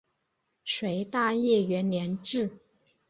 隋大业元年置。